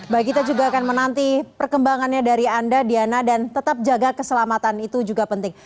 baik kita juga akan menanti perkembangannya dari anda diana dan tetap jaga keselamatan itu juga penting